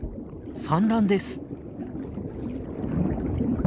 産卵です。